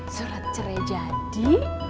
surat cerai jadi